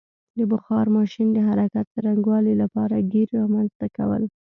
د بخار ماشین د حرکت څرنګوالي لپاره ګېر رامنځته کول.